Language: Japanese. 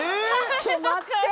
ちょっと待って！